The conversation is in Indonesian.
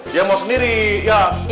dia mau sendiri ya